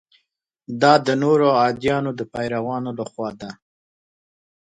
دا د نورو ادیانو پیروانو له خوا ده.